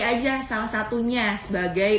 aja salah satunya sebagai